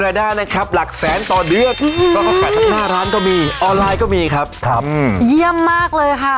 ถ้าน่าร้านก็มีออนไลน์ก็มีครับครับอืมเยี่ยมมากเลยค่ะ